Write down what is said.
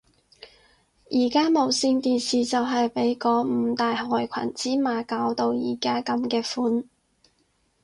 而家無線電視就係被嗰五大害群之馬搞到而家噉嘅款